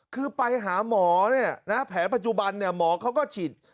คือไปหาหมอเนี่ยนะแผลปัจจุบันหมอเขาก็ฉีด